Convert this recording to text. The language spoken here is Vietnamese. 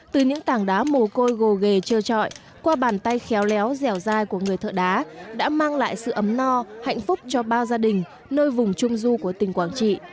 từ những tảng đá mồ côi gồ ghề trơ trọi qua bàn tay khéo léo dẻo dai của người thợ đá đã mang lại sự ấm no hạnh phúc cho ba gia đình nơi vùng trung du của tỉnh quảng trị